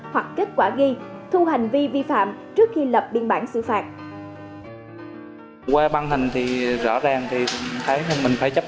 hoặc kết quả ghi thu hành vi vi phạm trước khi lập biên bản xử phạt